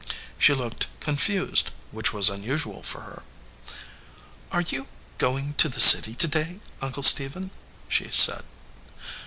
She looked confused, which was un usual for her. "Are you going to the city to day, Uncle Stephen?" she said.